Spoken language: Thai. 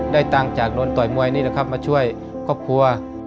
ตังค์จากโดนต่อยมวยนี่แหละครับมาช่วยครอบครัว